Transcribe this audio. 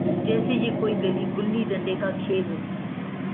جیسے یہ کوئی گلی ڈنڈے کا کھیل ہو۔